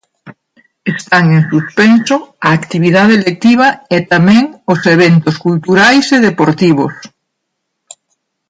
Están en suspenso a actividade lectiva, e tamén os eventos culturais e deportivos.